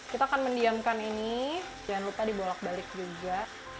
kita akan mendiamkan ini jangan lupa dibolak balik juga